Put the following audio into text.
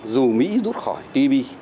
dù mỹ rút khỏi tpp